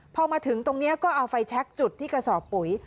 พอมาถึงตรงนี้ก็เอาไฟแชคจุดที่กระสอบปุ๋ย